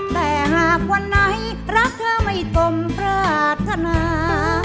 แต่หากวันไหนรักเธอไม่ต้องพราธนา